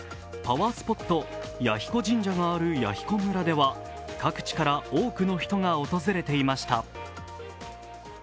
パワースポット・彌彦神社がある弥彦村では各地から多くの人が訪れていました。